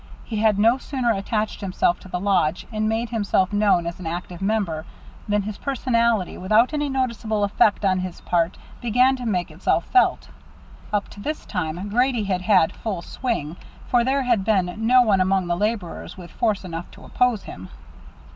He had no sooner attached himself to the lodge, and made himself known as an active member, than his personality, without any noticeable effort on his part, began to make itself felt. Up to this time Grady had had full swing, for there had been no one among the laborers with force enough to oppose him.